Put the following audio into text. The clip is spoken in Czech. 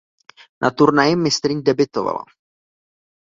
Na turnaji mistryň debutovala.